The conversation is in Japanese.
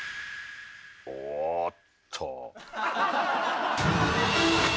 おっと。